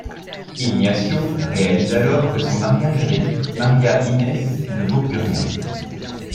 Ignacio réalise alors que son mariage avec María Inés ne vaut plus rien.